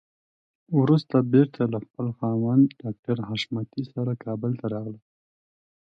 وروسته بېرته له خپل خاوند ډاکټر حشمتي سره کابل ته راغله.